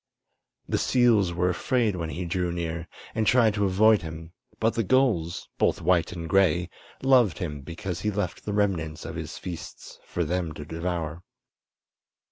The seals were afraid when he drew near, and tried to avoid him; but the gulls, both white and gray, loved him because he left the remnants of his feasts for them to devour.